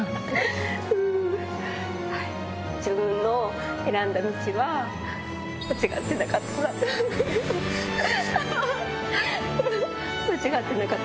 自分の選んだ道は間違ってなかった。